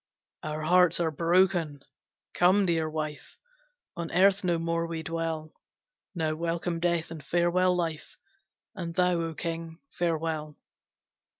"Our hearts are broken. Come, dear wife, On earth no more we dwell; Now welcome Death, and farewell Life, And thou, O king, farewell!